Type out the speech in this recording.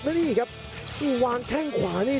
แล้วนี่ครับวางแข้งขวานี่